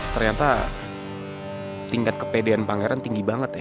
ternyata tingkat kepedean pangeran tinggi banget ya